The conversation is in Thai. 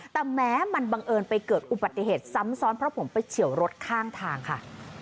แต่แม้มันบังเอิญไปเกิดอุบัติเหตุซ้ำซ้อนเพราะผมไปเฉียวรถข้างทางค่ะ